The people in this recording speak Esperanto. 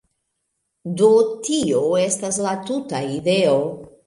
Do, tio estas la tuta ideo